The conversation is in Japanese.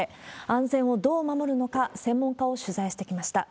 安全をどう守るのか、専門家を取材してきました。